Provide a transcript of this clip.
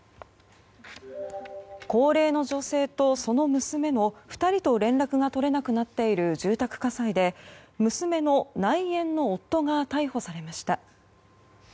高齢の女性とその娘の２人と連絡が取れなくなっている住宅火災で娘の内縁の夫が逮捕されました。